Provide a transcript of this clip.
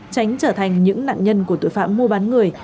tránh trở thành những nạn nhân của tội phạm mua bán người